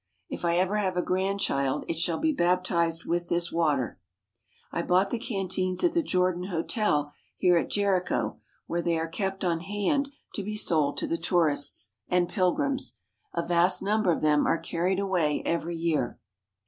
If I ever have a grandchild it shall be baptized with this water. I bought the canteens at the Jordan Hotel here at Jericho where they are kept on hand to be sold to the tourists 133 THE HOLY LAND AND SYRIA and pilgrims. A vast number of them are carried away every year.